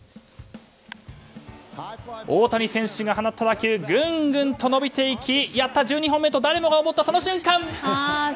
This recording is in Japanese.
大谷選手が放った打球ぐんぐんと伸びていきやった、１２本目！と誰もが思ったその瞬間。